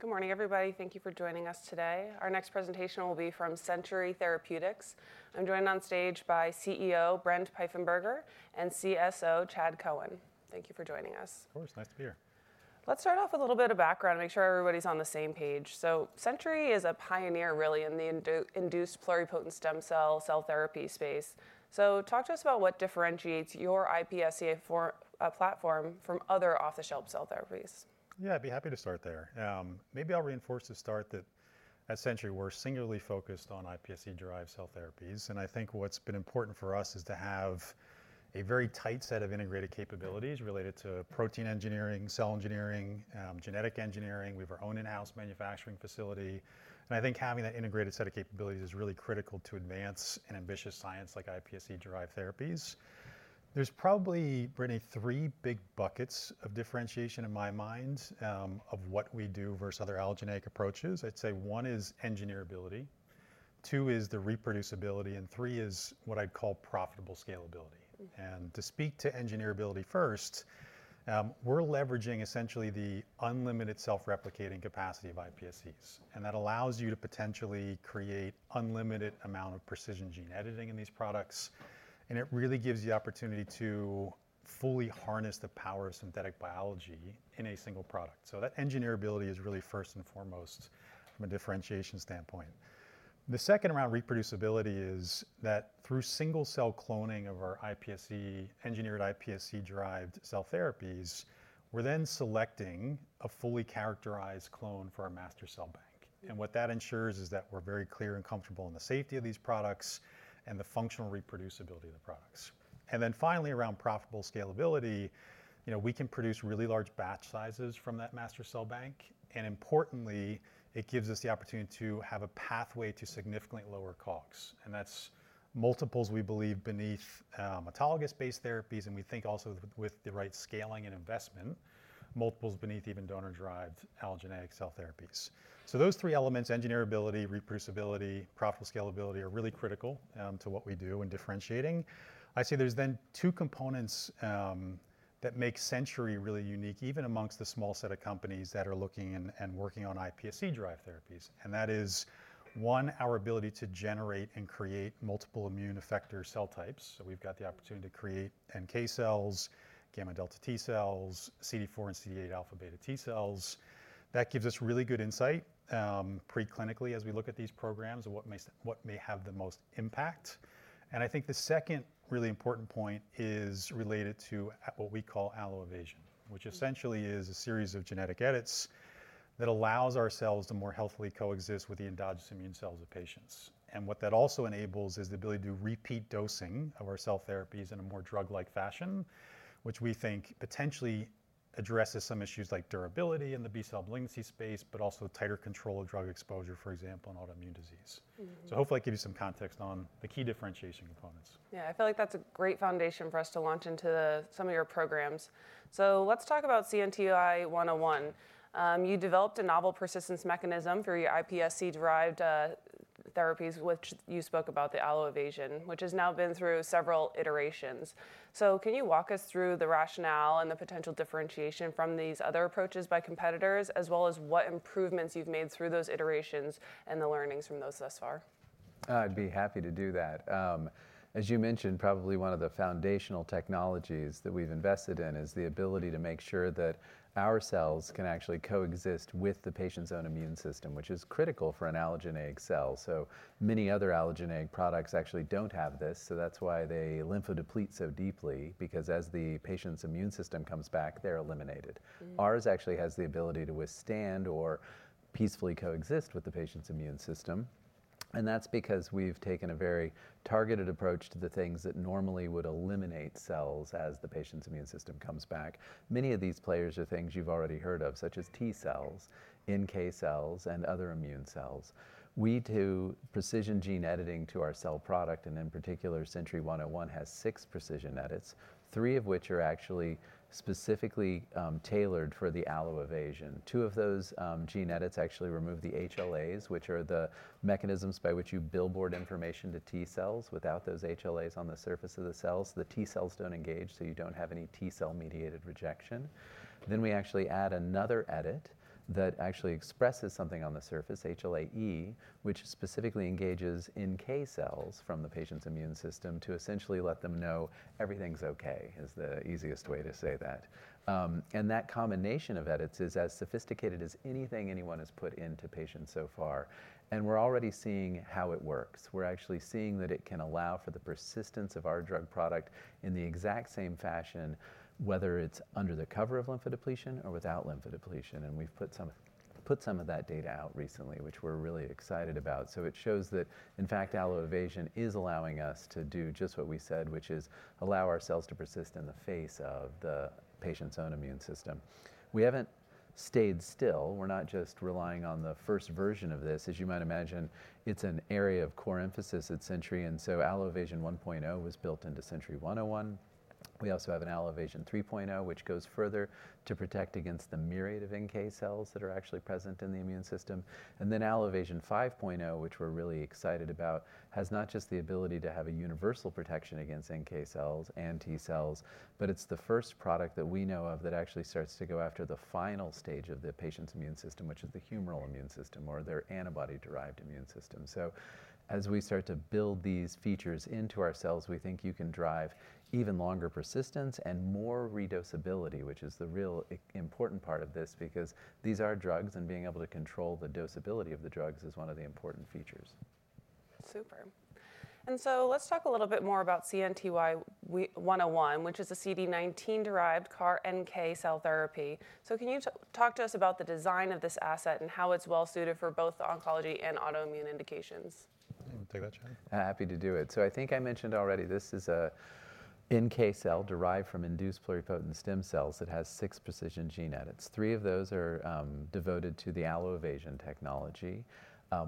Good morning, everybody. Thank you for joining us today. Our next presentation will be from Century Therapeutics. I'm joined on stage by CEO Brent Pfeiffenberger and CSO Chad Cowan. Thank you for joining us. Of course. Nice to be here. Let's start off with a little bit of background to make sure everybody's on the same page. So Century is a pioneer, really, in the induced pluripotent stem cell therapy space. So talk to us about what differentiates your iPSC platform from other off-the-shelf cell therapies. Yeah, I'd be happy to start there. Maybe I'll reinforce the start that at Century, we're singularly focused on iPSC-derived cell therapies, and I think what's been important for us is to have a very tight set of integrated capabilities related to protein engineering, cell engineering, genetic engineering. We have our own in-house manufacturing facility. And I think having that integrated set of capabilities is really critical to advance an ambitious science like iPSC-derived therapies. There's probably, Brittany, three big buckets of differentiation in my mind of what we do versus other allogeneic approaches. I'd say one is engineerability, two is the reproducibility, and three is what I'd call profitable scalability. And to speak to engineerability first, we're leveraging essentially the unlimited self-replicating capacity of iPSCs. And that allows you to potentially create an unlimited amount of precision gene editing in these products. And it really gives you the opportunity to fully harness the power of synthetic biology in a single product. So that engineerability is really first and foremost from a differentiation standpoint. The second around reproducibility is that through single-cell cloning of our iPSC-engineered iPSC-derived cell therapies, we're then selecting a fully characterized clone for our master cell bank. And what that ensures is that we're very clear and comfortable in the safety of these products and the functional reproducibility of the products. And then finally, around profitable scalability, we can produce really large batch sizes from that master cell bank. And importantly, it gives us the opportunity to have a pathway to significantly lower COGS. And that's multiples, we believe, beneath autologous-based therapies, and we think also with the right scaling and investment, multiples beneath even donor-derived allogeneic cell therapies. So those three elements, engineerability, reproducibility, and profitable scalability, are really critical to what we do in differentiating. I'd say there's then two components that make Century really unique, even amongst the small set of companies that are looking and working on iPSC-derived therapies. And that is, one, our ability to generate and create multiple immune effector cell types. So we've got the opportunity to create NK cells, gamma delta T cells, CD4 and CD8 alpha beta T cells. That gives us really good insight preclinically as we look at these programs and what may have the most impact. And I think the second really important point is related to what we call Allo-Evasion, which essentially is a series of genetic edits that allows our cells to more healthily coexist with the endogenous immune cells of patients. What that also enables is the ability to do repeat dosing of our cell therapies in a more drug-like fashion, which we think potentially addresses some issues like durability in the B-cell malignancy space, but also tighter control of drug exposure, for example, in autoimmune disease. Hopefully I give you some context on the key differentiation components. Yeah, I feel like that's a great foundation for us to launch into some of your programs. So let's talk about CNTY-101. You developed a novel persistence mechanism for your iPSC-derived therapies, which you spoke about, the Allo-Evasion, which has now been through several iterations. So can you walk us through the rationale and the potential differentiation from these other approaches by competitors, as well as what improvements you've made through those iterations and the learnings from those thus far? I'd be happy to do that. As you mentioned, probably one of the foundational technologies that we've invested in is the ability to make sure that our cells can actually coexist with the patient's own immune system, which is critical for an allogeneic cell. So many other allogeneic products actually don't have this. So that's why they lymphodeplete so deeply, because as the patient's immune system comes back, they're eliminated. Ours actually has the ability to withstand or peacefully coexist with the patient's immune system. And that's because we've taken a very targeted approach to the things that normally would eliminate cells as the patient's immune system comes back. Many of these players are things you've already heard of, such as T cells, NK cells, and other immune cells. We do precision gene editing to our cell product, and in particular, Century 101 has six precision edits, three of which are actually specifically tailored for the Allo-Evasion. Two of those gene edits actually remove the HLAs, which are the mechanisms by which you billboard information to T cells without those HLAs on the surface of the cells. The T cells don't engage, so you don't have any T cell-mediated rejection. Then we actually add another edit that actually expresses something on the surface, HLA-E, which specifically engages NK cells from the patient's immune system to essentially let them know everything's OK, is the easiest way to say that. And that combination of edits is as sophisticated as anything anyone has put into patients so far. And we're already seeing how it works. We're actually seeing that it can allow for the persistence of our drug product in the exact same fashion, whether it's under the cover of lymphodepletion or without lymphodepletion. And we've put some of that data out recently, which we're really excited about. So it shows that, in fact, Allo-Evasion is allowing us to do just what we said, which is allow our cells to persist in the face of the patient's own immune system. We haven't stayed still. We're not just relying on the first version of this. As you might imagine, it's an area of core emphasis at Century. And so Allo-Evasion 1.0 was built into Century 101. We also have an Allo-Evasion 3.0, which goes further to protect against the myriad of NK cells that are actually present in the immune system. Allo-Evasion 5.0, which we're really excited about, has not just the ability to have a universal protection against NK cells and T cells, but it's the first product that we know of that actually starts to go after the final stage of the patient's immune system, which is the humoral immune system or their antibody-derived immune system. As we start to build these features into our cells, we think you can drive even longer persistence and more redoability, which is the real important part of this, because these are drugs, and being able to control the doability of the drugs is one of the important features. Super. And so let's talk a little bit more about CNTY-101, which is a CD19-derived CAR NK cell therapy. So can you talk to us about the design of this asset and how it's well-suited for both oncology and autoimmune indications? I'll take that, Chad. Happy to do it. So I think I mentioned already this is an NK cell derived from induced pluripotent stem cells that has six precision gene edits. Three of those are devoted to the Allo-Evasion technology.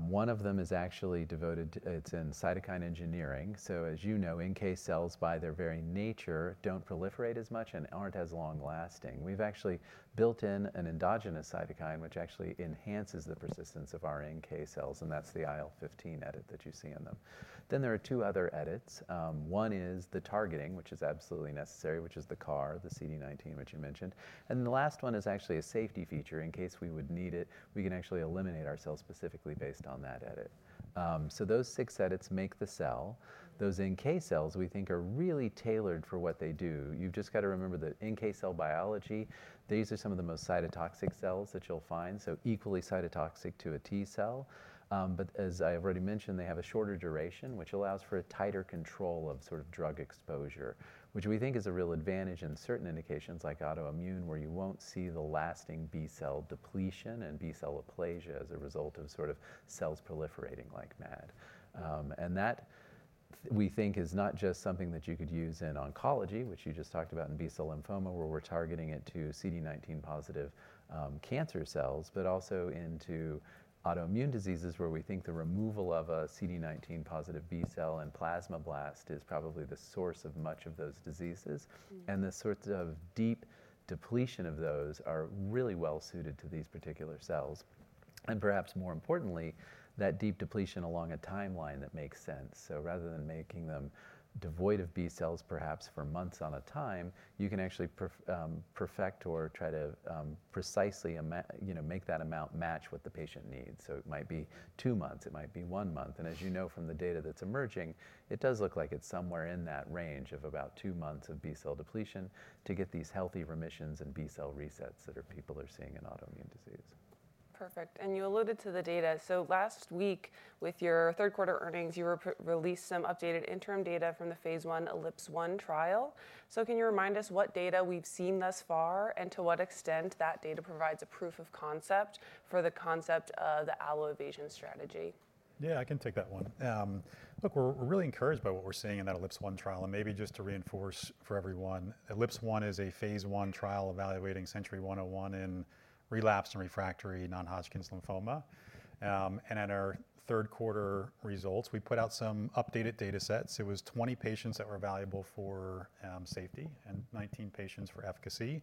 One of them is actually devoted to its cytokine engineering. So as you know, NK cells, by their very nature, don't proliferate as much and aren't as long-lasting. We've actually built in an endogenous cytokine, which actually enhances the persistence of our NK cells, and that's the IL-15 edit that you see in them. Then there are two other edits. One is the targeting, which is absolutely necessary, which is the CAR, the CD19, which you mentioned. And then the last one is actually a safety feature in case we would need it. We can actually eliminate our cell specifically based on that edit. So those six edits make the cell. Those NK cells, we think, are really tailored for what they do. You've just got to remember that NK cell biology, these are some of the most cytotoxic cells that you'll find, so equally cytotoxic to a T cell, but as I've already mentioned, they have a shorter duration, which allows for a tighter control of sort of drug exposure, which we think is a real advantage in certain indications like autoimmune, where you won't see the lasting B-cell depletion and B-cell aplasia as a result of sort of cells proliferating like mad, and that, we think, is not just something that you could use in oncology, which you just talked about in B-cell lymphoma, where we're targeting it to CD19-positive cancer cells, but also into autoimmune diseases, where we think the removal of a CD19-positive B-cell and plasmablast is probably the source of much of those diseases. The sorts of deep depletion of those are really well-suited to these particular cells. Perhaps more importantly, that deep depletion along a timeline that makes sense. Rather than making them devoid of B-cells perhaps for months on a time, you can actually perfect or try to precisely make that amount match what the patient needs. It might be two months. It might be one month. As you know from the data that's emerging, it does look like it's somewhere in that range of about two months of B-cell depletion to get these healthy remissions and B-cell resets that people are seeing in autoimmune disease. Perfect. And you alluded to the data. So last week, with your third-quarter earnings, you released some updated interim data from the phase 1 ELiPSE trial. So can you remind us what data we've seen thus far and to what extent that data provides a proof of concept for the concept of the Allo-Evasion strategy? Yeah, I can take that one. Look, we're really encouraged by what we're seeing in that ELiPSE trial. And maybe just to reinforce for everyone, ELiPSE is a phase I trial evaluating CNTY-101 in relapsed and refractory non-Hodgkin's lymphoma. And at our third-quarter results, we put out some updated data sets. It was 20 patients that were valuable for safety and 19 patients for efficacy.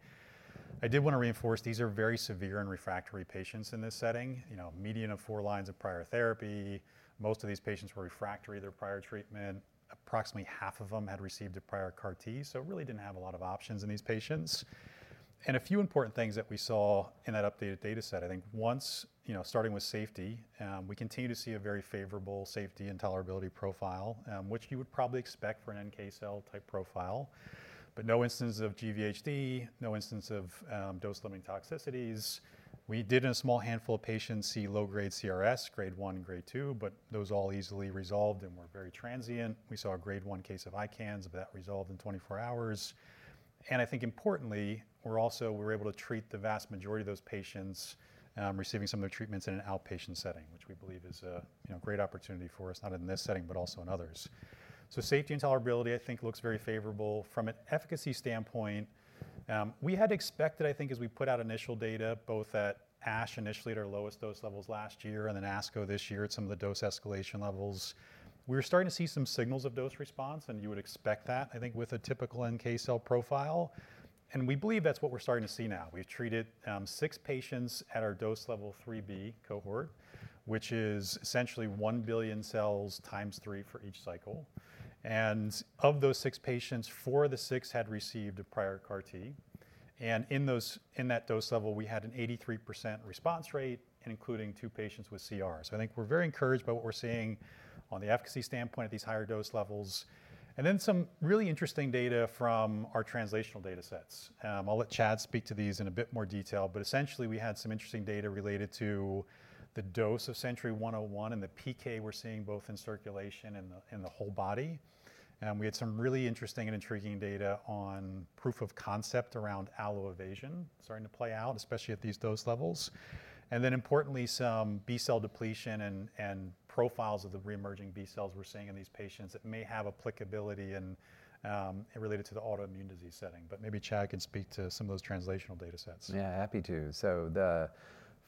I did want to reinforce these are very severe and refractory patients in this setting. Median of four lines of prior therapy. Most of these patients were refractory to their prior treatment. Approximately half of them had received a prior CAR-T. So it really didn't have a lot of options in these patients. A few important things that we saw in that updated data set, I think, once starting with safety, we continue to see a very favorable safety and tolerability profile, which you would probably expect for an NK cell type profile. But no instance of GVHD, no instance of dose-limiting toxicities. We did, in a small handful of patients, see low-grade CRS, grade one and grade two, but those all easily resolved and were very transient. We saw a grade one case of ICANS, but that resolved in 24 hours. And I think importantly, we're also able to treat the vast majority of those patients receiving some of their treatments in an outpatient setting, which we believe is a great opportunity for us, not in this setting, but also in others. So safety and tolerability, I think, looks very favorable. From an efficacy standpoint, we had expected, I think, as we put out initial data, both at ASH initially at our lowest dose levels last year and then ASCO this year at some of the dose escalation levels, we were starting to see some signals of dose response. And you would expect that, I think, with a typical NK cell profile. And we believe that's what we're starting to see now. We've treated six patients at our dose level 3B cohort, which is essentially one billion cells times three for each cycle. And of those six patients, four of the six had received a prior CAR-T. And in that dose level, we had an 83% response rate, including two patients with CR. So I think we're very encouraged by what we're seeing on the efficacy standpoint at these higher dose levels. And then some really interesting data from our translational data sets. I'll let Chad speak to these in a bit more detail. But essentially, we had some interesting data related to the dose of CNTY-101 and the PK we're seeing both in circulation and in the whole body. We had some really interesting and intriguing data on proof of concept around Allo-Evasion starting to play out, especially at these dose levels. And then importantly, some B-cell depletion and profiles of the reemerging B-cells we're seeing in these patients that may have applicability related to the autoimmune disease setting. But maybe Chad can speak to some of those translational data sets. Yeah, happy to. So the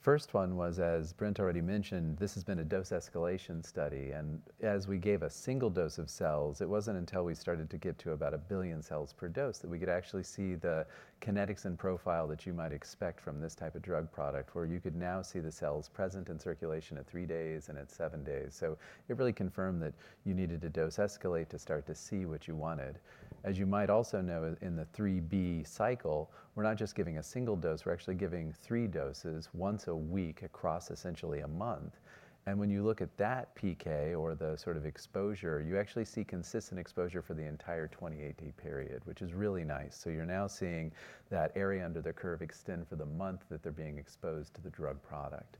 first one was, as Brent already mentioned, this has been a dose escalation study. And as we gave a single dose of cells, it wasn't until we started to get to about a billion cells per dose that we could actually see the kinetics and profile that you might expect from this type of drug product, where you could now see the cells present in circulation at three days and at seven days. So it really confirmed that you needed to dose escalate to start to see what you wanted. As you might also know, in the 3B cycle, we're not just giving a single dose. We're actually giving three doses once a week across essentially a month. And when you look at that PK or the sort of exposure, you actually see consistent exposure for the entire 28-day period, which is really nice. You're now seeing that area under the curve extend for the month that they're being exposed to the drug product.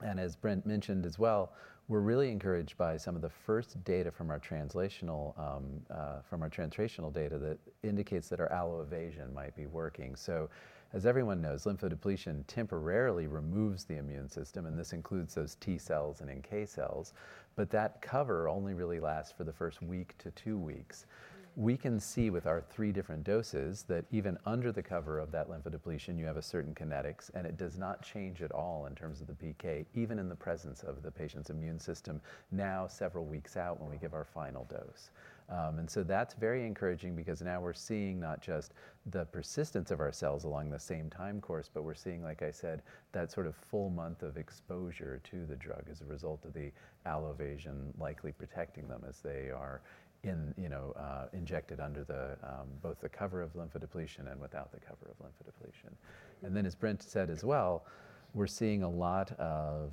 As Brent mentioned as well, we're really encouraged by some of the first data from our translational data that indicates that our Allo-Evasion might be working. As everyone knows, lymphodepletion temporarily removes the immune system, and this includes those T cells and NK cells. That cover only really lasts for the first week to two weeks. We can see with our three different doses that even under the cover of that lymphodepletion, you have a certain kinetics, and it does not change at all in terms of the PK, even in the presence of the patient's immune system now several weeks out when we give our final dose. That's very encouraging because now we're seeing not just the persistence of our cells along the same time course, but we're seeing, like I said, that sort of full month of exposure to the drug as a result of the Allo-Evasion likely protecting them as they are injected under both the cover of lymphodepletion and without the cover of lymphodepletion. Then as Brent said as well, we're seeing a lot of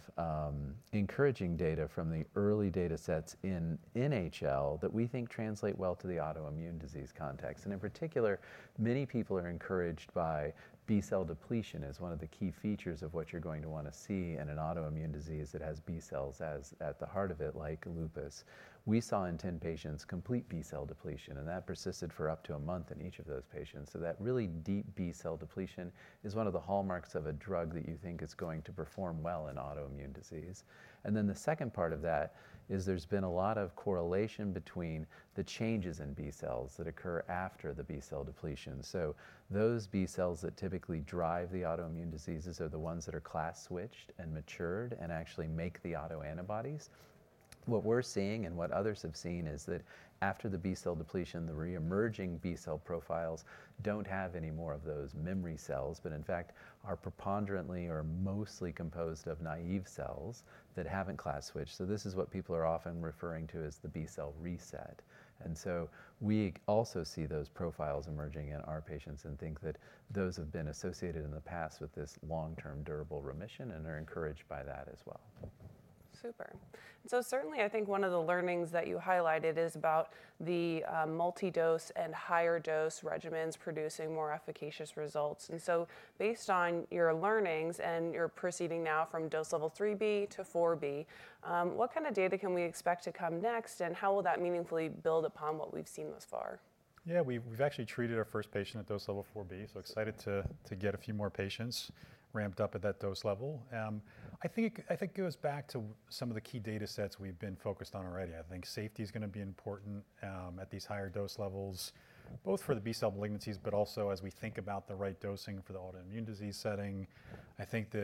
encouraging data from the early data sets in NHL that we think translate well to the autoimmune disease context. In particular, many people are encouraged by B-cell depletion as one of the key features of what you're going to want to see in an autoimmune disease that has B-cells at the heart of it, like lupus. We saw in 10 patients complete B-cell depletion, and that persisted for up to a month in each of those patients. So that really deep B-cell depletion is one of the hallmarks of a drug that you think is going to perform well in autoimmune disease. And then the second part of that is there's been a lot of correlation between the changes in B-cells that occur after the B-cell depletion. So those B-cells that typically drive the autoimmune diseases are the ones that are class switched and matured and actually make the autoantibodies. What we're seeing and what others have seen is that after the B-cell depletion, the reemerging B-cell profiles don't have any more of those memory cells, but in fact, are preponderantly or mostly composed of naive cells that haven't class switched. So this is what people are often referring to as the B-cell reset. We also see those profiles emerging in our patients and think that those have been associated in the past with this long-term durable remission and are encouraged by that as well. Super. And so certainly, I think one of the learnings that you highlighted is about the multi-dose and higher dose regimens producing more efficacious results. And so based on your learnings and your proceeding now from dose level 3B to 4B, what kind of data can we expect to come next, and how will that meaningfully build upon what we've seen thus far? Yeah, we've actually treated our first patient at dose level 4B. So excited to get a few more patients ramped up at that dose level. I think it goes back to some of the key data sets we've been focused on already. I think safety is going to be important at these higher dose levels, both for the B-cell malignancies, but also as we think about the right dosing for the autoimmune disease setting. I think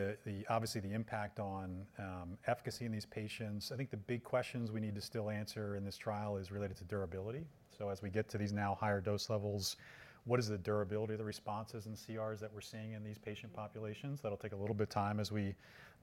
obviously the impact on efficacy in these patients, I think the big questions we need to still answer in this trial is related to durability. So as we get to these now higher dose levels, what is the durability of the responses and CRs that we're seeing in these patient populations? That'll take a little bit of time as we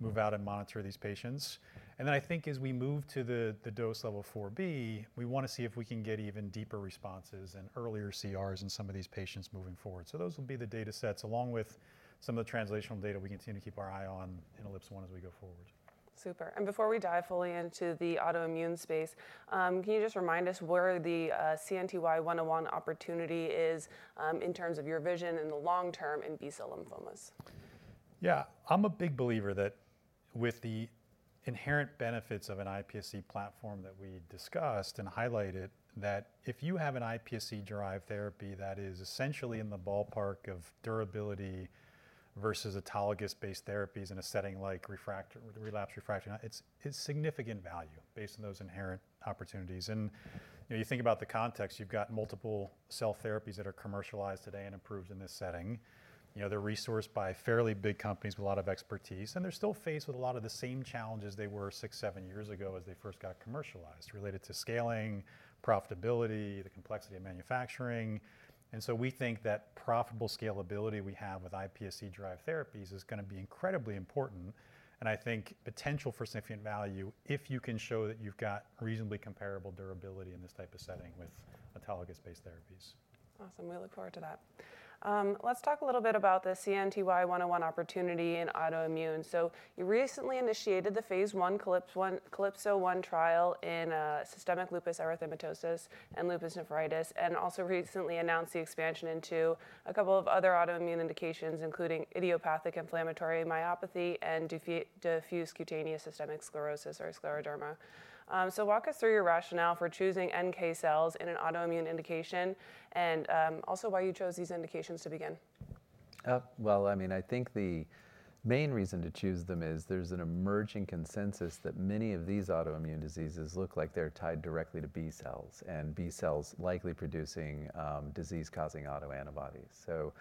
move out and monitor these patients. And then I think as we move to the dose level 4B, we want to see if we can get even deeper responses and earlier CRs in some of these patients moving forward. So those will be the data sets, along with some of the translational data we continue to keep our eye on in ELiPSE as we go forward. Super. And before we dive fully into the autoimmune space, can you just remind us where the CNTY-101 opportunity is in terms of your vision in the long term in B-cell lymphomas? Yeah, I'm a big believer that with the inherent benefits of an iPSC platform that we discussed and highlighted, that if you have an iPSC-derived therapy that is essentially in the ballpark of durability versus autologous-based therapies in a setting like relapsed refractory, it's significant value based on those inherent opportunities. And you think about the context. You've got multiple cell therapies that are commercialized today and approved in this setting. They're resourced by fairly big companies with a lot of expertise. And they're still faced with a lot of the same challenges they were six, seven years ago as they first got commercialized related to scaling, profitability, the complexity of manufacturing. And so we think that profitable scalability we have with iPSC-derived therapies is going to be incredibly important. I think potential for significant value if you can show that you've got reasonably comparable durability in this type of setting with autologous-based therapies. Awesome. We look forward to that. Let's talk a little bit about the CNTY-101 opportunity in autoimmune, so you recently initiated the phase 1 ELiPSE trial in systemic lupus erythematosus and lupus nephritis, and also recently announced the expansion into a couple of other autoimmune indications, including idiopathic inflammatory myopathy and diffuse cutaneous systemic sclerosis or scleroderma, so walk us through your rationale for choosing NK cells in an autoimmune indication and also why you chose these indications to begin. Well, I mean, I think the main reason to choose them is there's an emerging consensus that many of these autoimmune diseases look like they're tied directly to B-cells and B-cells likely producing disease-causing autoantibodies. So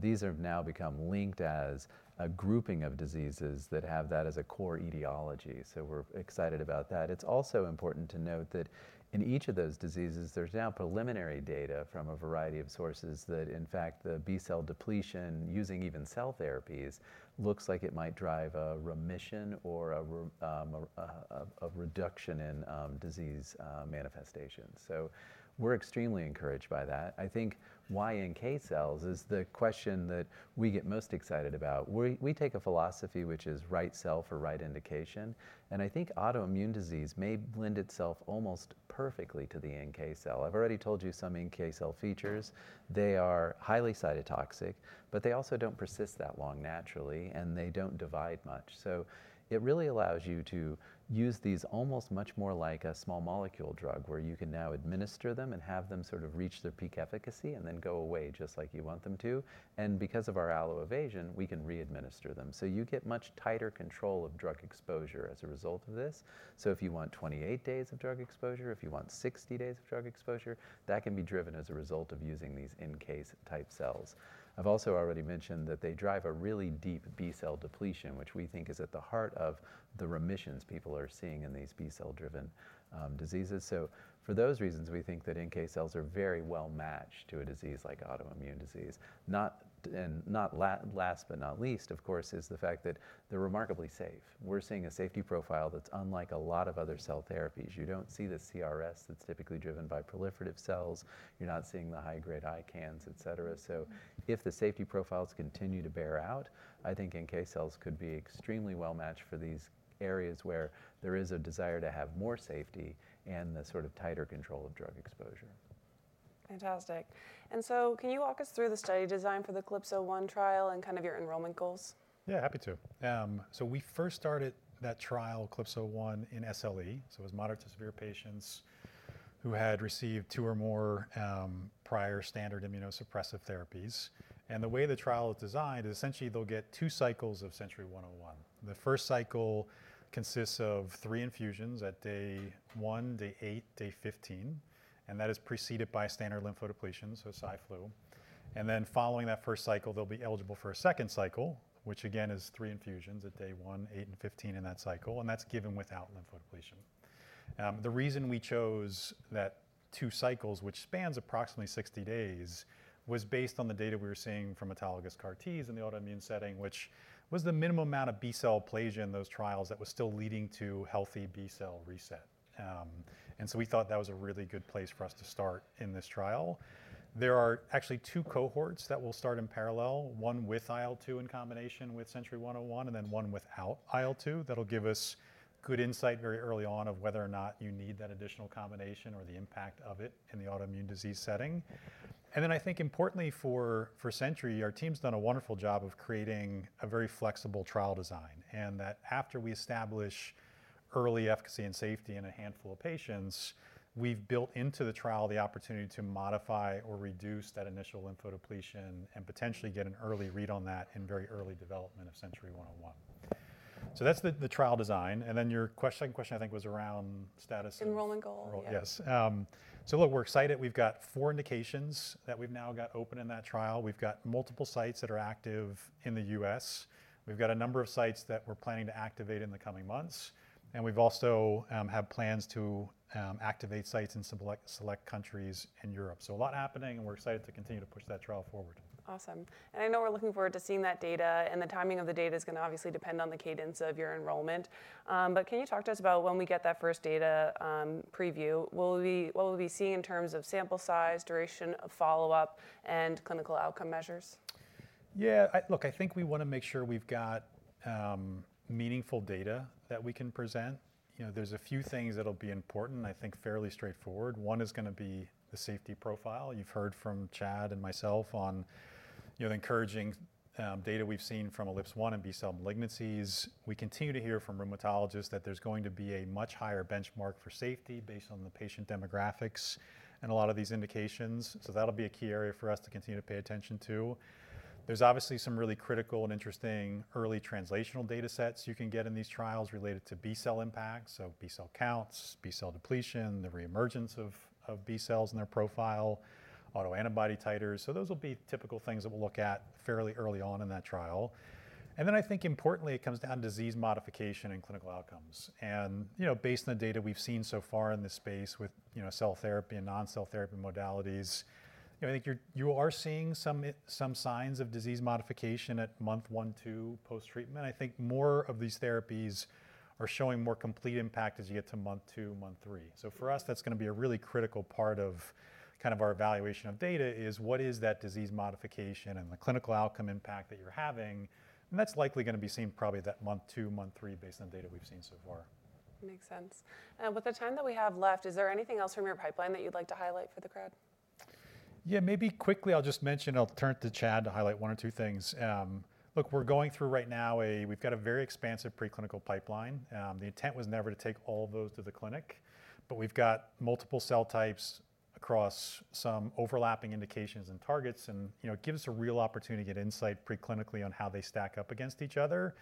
these have now become linked as a grouping of diseases that have that as a core etiology. So we're excited about that. It's also important to note that in each of those diseases, there's now preliminary data from a variety of sources that, in fact, the B-cell depletion using even cell therapies looks like it might drive a remission or a reduction in disease manifestation. So we're extremely encouraged by that. I think why NK cells is the question that we get most excited about. We take a philosophy which is right cell for right indication. And I think autoimmune disease may lend itself almost perfectly to the NK cell. I've already told you some NK cell features. They are highly cytotoxic, but they also don't persist that long naturally, and they don't divide much. So it really allows you to use these almost much more like a small molecule drug where you can now administer them and have them sort of reach their peak efficacy and then go away just like you want them to. And because of our Allo-Evasion, we can readminister them. So you get much tighter control of drug exposure as a result of this. So if you want 28 days of drug exposure, if you want 60 days of drug exposure, that can be driven as a result of using these NK-type cells. I've also already mentioned that they drive a really deep B-cell depletion, which we think is at the heart of the remissions people are seeing in these B-cell-driven diseases. So for those reasons, we think that NK cells are very well matched to a disease like autoimmune disease. And last but not least, of course, is the fact that they're remarkably safe. We're seeing a safety profile that's unlike a lot of other cell therapies. You don't see the CRS that's typically driven by proliferative cells. You're not seeing the high-grade ICANS, et cetera. So if the safety profiles continue to bear out, I think NK cells could be extremely well matched for these areas where there is a desire to have more safety and the sort of tighter control of drug exposure. Fantastic. And so can you walk us through the study design for the CALIPSO-1 trial and kind of your enrollment goals? Yeah, happy to. We first started that trial, CALIPSO-1, in SLE. It was moderate to severe patients who had received two or more prior standard immunosuppressive therapies. The way the trial is designed is essentially they'll get two cycles of CNTY-101. The first cycle consists of three infusions at day one, day eight, day 15. That is preceded by standard lymphodepletion, so Cy/Flu. Following that first cycle, they'll be eligible for a second cycle, which again is three infusions at day one, eight, and 15 in that cycle. That's given without lymphodepletion. The reason we chose that two cycles, which spans approximately 60 days, was based on the data we were seeing from autologous CAR-Ts in the autoimmune setting, which was the minimum amount of B-cell aplasia in those trials that was still leading to healthy B-cell reset. And so we thought that was a really good place for us to start in this trial. There are actually two cohorts that will start in parallel, one with IL-2 in combination with CNTY-101, and then one without IL-2. That'll give us good insight very early on of whether or not you need that additional combination or the impact of it in the autoimmune disease setting. And then I think importantly for Century, our team's done a wonderful job of creating a very flexible trial design and that after we establish early efficacy and safety in a handful of patients, we've built into the trial the opportunity to modify or reduce that initial lymphodepletion and potentially get an early read on that in very early development of CNTY-101. So that's the trial design. And then your second question, I think, was around status. Enrollment goal. Yes. So look, we're excited. We've got four indications that we've now got open in that trial. We've got multiple sites that are active in the U.S. We've got a number of sites that we're planning to activate in the coming months. And we've also had plans to activate sites in select countries in Europe. So a lot happening, and we're excited to continue to push that trial forward. Awesome. And I know we're looking forward to seeing that data. And the timing of the data is going to obviously depend on the cadence of your enrollment. But can you talk to us about when we get that first data preview? What will we be seeing in terms of sample size, duration of follow-up, and clinical outcome measures? Yeah, look, I think we want to make sure we've got meaningful data that we can present. There's a few things that'll be important, I think fairly straightforward. One is going to be the safety profile. You've heard from Chad and myself on the encouraging data we've seen from ELiPSE and B-cell malignancies. We continue to hear from rheumatologists that there's going to be a much higher benchmark for safety based on the patient demographics and a lot of these indications. So that'll be a key area for us to continue to pay attention to. There's obviously some really critical and interesting early translational data sets you can get in these trials related to B-cell impact. So B-cell counts, B-cell depletion, the reemergence of B-cells in their profile, autoantibody titers. So those will be typical things that we'll look at fairly early on in that trial. And then I think importantly, it comes down to disease modification and clinical outcomes. And based on the data we've seen so far in this space with cell therapy and non-cell therapy modalities, I think you are seeing some signs of disease modification at month one, two, post-treatment. I think more of these therapies are showing more complete impact as you get to month two, month three. So for us, that's going to be a really critical part of kind of our evaluation of data is what is that disease modification and the clinical outcome impact that you're having. And that's likely going to be seen probably that month two, month three based on data we've seen so far. Makes sense. And with the time that we have left, is there anything else from your pipeline that you'd like to highlight for the crowd? Yeah, maybe quickly, I'll just mention. I'll turn it to Chad to highlight one or two things. Look, we're going through right now. We've got a very expansive preclinical pipeline. The intent was never to take all of those to the clinic, but we've got multiple cell types across some overlapping indications and targets. And it gives us a real opportunity to get insight preclinically on how they stack up against each other.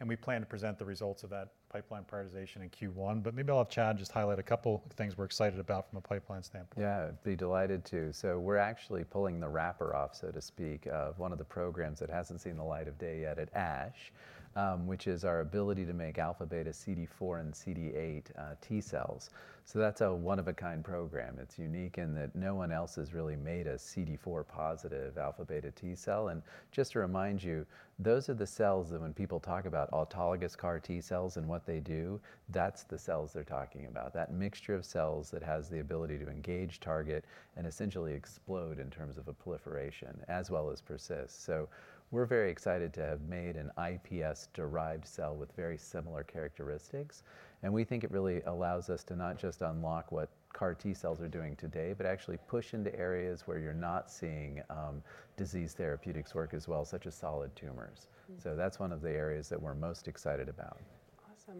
And we plan to present the results of that pipeline prioritization in Q1. But maybe I'll have Chad just highlight a couple of things we're excited about from a pipeline standpoint. Yeah, I'd be delighted to. So we're actually pulling the wrapper off, so to speak, of one of the programs that hasn't seen the light of day yet at ASH, which is our ability to make alpha beta CD4 and CD8 T cells. So that's a one-of-a-kind program. It's unique in that no one else has really made a CD4 positive alpha beta T cell. And just to remind you, those are the cells that when people talk about autologous CAR-T cells and what they do, that's the cells they're talking about. That mixture of cells that has the ability to engage, target, and essentially explode in terms of a proliferation as well as persist. So we're very excited to have made an iPSC-derived cell with very similar characteristics. We think it really allows us to not just unlock what CAR-T cells are doing today, but actually push into areas where you're not seeing disease therapeutics work as well, such as solid tumors. That's one of the areas that we're most excited about. Awesome.